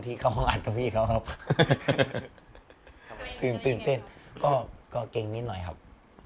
ที่เขาอัดกับพี่เขาครับตื่นตื่นเต้นก็เก่งนิดหน่อยครับ